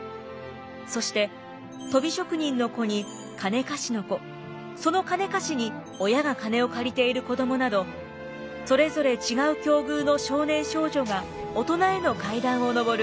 そしてとび職人の子に金貸しの子その金貸しに親が金を借りている子どもなどそれぞれ違う境遇の少年少女が大人への階段を昇る青春群像劇でした。